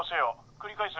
繰り返す。